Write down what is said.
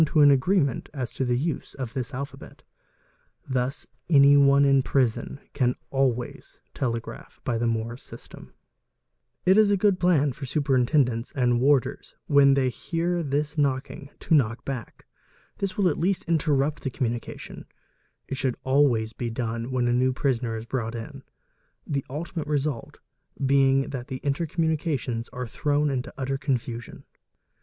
to an reement as to the use of this alphabet; thus anyone in any prison can va ys telegraph by the Morse system. ua 348 PRACTICES OF CRIMINALS It is a good plan for superintendents and warders when they hear this knocking to knock back; this will at least interrupt the communica tion : it should always be done when a new prisoner is brought in; the — ultimate result being that intercommunications are thrown into utter confusion.